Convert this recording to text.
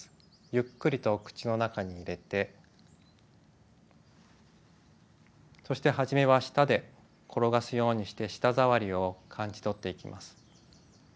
ゆっくりと口の中に入れてそしてはじめは舌で転がすようにして舌触りを感じ取っていきます。